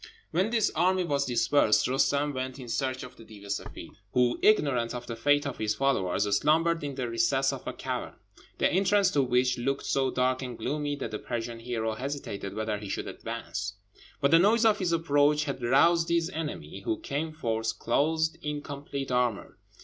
When this army was dispersed, Roostem went in search of the Deev e Seffeed, who, ignorant of the fate of his followers, slumbered in the recess of a cavern, the entrance to which looked so dark and gloomy that the Persian hero hesitated whether he should advance; but the noise of his approach had roused his enemy, who came forth, clothed in complete armour.